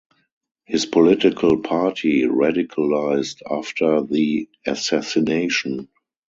His political party radicalised after the assassination.